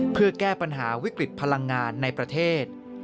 เพื่อแก้ปัญหาวิกฤตพลังงานในประเทศ